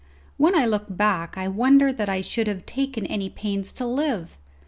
When I look back I wonder that I should have taken any pains to live.